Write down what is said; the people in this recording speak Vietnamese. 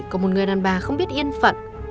có một người đàn bà không biết yên phận